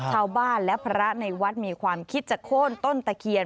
ชาวบ้านและพระในวัดมีความคิดจะโค้นต้นตะเคียน